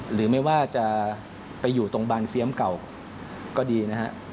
หรือไม่ว่าจะไปอยู่ตรงบานเฟียมเก่าก็ดีนะฮะ